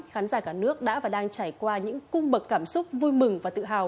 khán giả cả nước đã và đang trải qua những cung bậc cảm xúc vui mừng và tự hào